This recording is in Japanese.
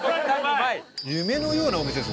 夢のようなお店です